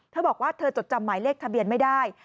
เธอบอกว่าเธอจดจำหมายเลขทะเบียนไม่ได้